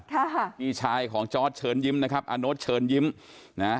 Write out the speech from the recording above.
ค่ะพี่ชายของจอร์ดเชิญยิ้มนะครับอาโน๊ตเชิญยิ้มนะ